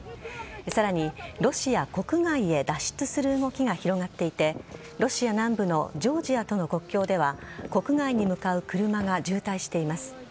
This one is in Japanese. さらにロシア国外へ脱出する動きが広がっていてロシア南部のジョージアとの国境では国外に向かう車が渋滞しています。